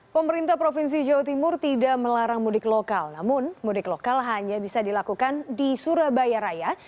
pemerintah provinsi jawa timur tidak melarang mudik lokal namun mudik lokal hanya bisa dilakukan di surabaya raya